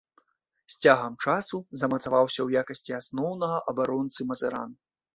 З цягам часу замацаваўся ў якасці асноўнага абаронцы мазыран.